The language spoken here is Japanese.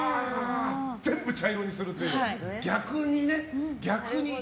全部茶色にするという、逆にね。